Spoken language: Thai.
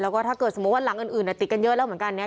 แล้วก็ถ้าเกิดสมมุติว่าหลังอื่นติดกันเยอะแล้วเหมือนกันเนี่ย